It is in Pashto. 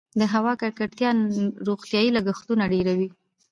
د هوا ککړتیا روغتیايي لګښتونه ډیروي؟